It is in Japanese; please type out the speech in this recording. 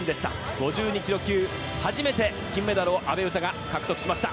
５２ｋｇ級、初めて金メダルを阿部詩が獲得しました。